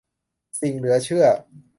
สิ่งเหลือเชื่อ